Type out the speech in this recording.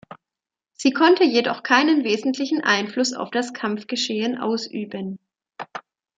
Sie konnte jedoch keinen wesentlichen Einfluss auf das Kampfgeschehen ausüben.